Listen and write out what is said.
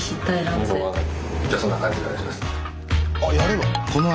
あやるの？